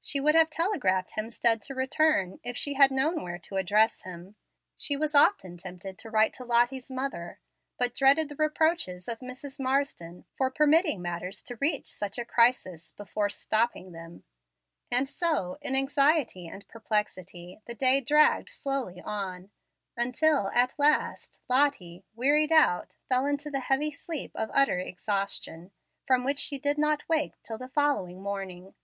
She would have telegraphed Hemstead to return, if she had known where to address him. She was often tempted to write to Lottie's mother, but dreaded the reproaches of Mrs. Marsden for permitting matters to reach such a crisis before "stopping" them. And so, in anxiety and perplexity, the day dragged slowly on, until, at last, Lottie, wearied out, fell into the heavy sleep of utter exhaustion, from which she did not wake till the following morning.